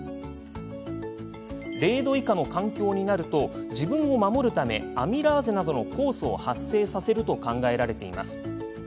０度以下の環境になると自分を守るためアミラーゼなどの酵素を発生させると考えられています。